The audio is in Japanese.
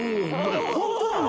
ホントなの。